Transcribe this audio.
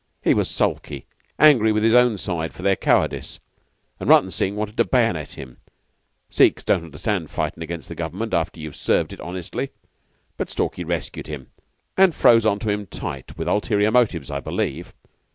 He was sulky angry with his own side for their cowardice, and Rutton Singh wanted to bayonet him Sikhs don't understand fightin' against the Government after you've served it honestly but Stalky rescued him, and froze on to him tight with ulterior motives, I believe.